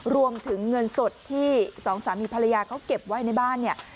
รวมถึงเงินสดที่สองสามีภรรยาเขาเก็บไว้ในบ้านเนี่ย